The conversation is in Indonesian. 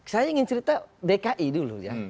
saya ingin cerita dki dulu ya